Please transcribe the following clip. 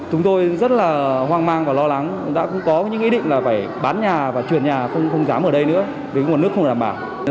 chúng tôi rất là hoang mang và lo lắng đã cũng có những ý định là phải bán nhà và chuyển nhà không dám ở đây nữa vì nguồn nước không đảm bảo